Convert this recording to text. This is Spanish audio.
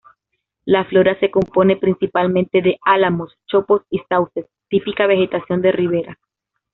La flora se compone principalmente de álamos, chopos y sauces, típica vegetación de ribera.